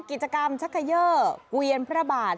กิจกรรมชักเกยอร์เกวียนพระบาท